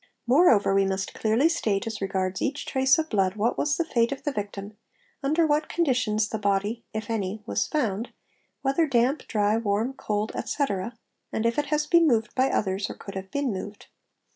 : Moreover we must clearly state as regards each trace of blood what was ~ the fate of the victim, under what conditions the body if any, was found, — whether damp, dry, warm, cold, etc., and if it has been moved by others, | or could have been moved.